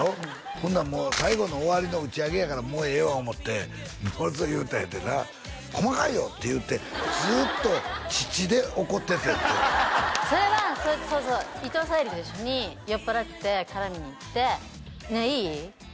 ほんならもう最後の終わりの打ち上げやからもうええわ思ってボロクソ言うたんやってな「細かいよ！」って言うてずっと乳で怒ってたってそれはそうそう伊藤沙莉と一緒に酔っぱらって絡みに行って「ねえいい？